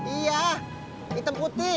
iya hitam putih